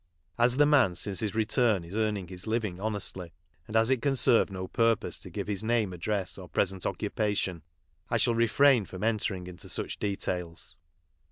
As the man, since his return, is earning his living honestly, and as it can serve no purpose to give his name, address, or present occupation, I shall refrain f ro m entering into such details.